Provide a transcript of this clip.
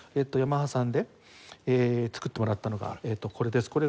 ヤマハさんで作ってもらったのがこれです。